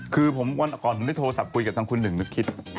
คือวันก่อนผมได้โทรศัพท์คุยกับทางคุณหนึ่งนึกคิด